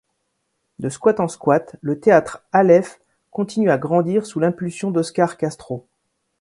De squat en squat, le théâtre Aleph continue à grandir sous l’impulsion d’Oscar Castro.